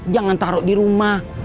jangan taruh di rumah